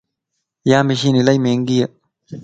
يا مشين الائي مھنگي ائي